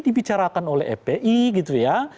dibicarakan oleh fpi gitu ya